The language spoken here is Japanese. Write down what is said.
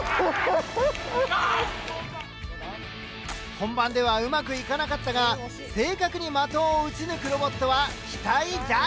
本番ではうまくいかなかったが正確に的を撃ち抜くロボットは期待大！